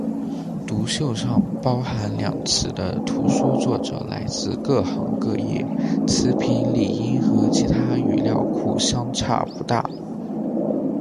读秀上包含两词的图书作者来自各行各业，词频理应和其他语料库相差不大。